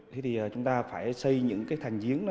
thì chúng ta phải xây những cái thành giếng